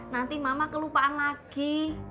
nanti mama kelupaan lagi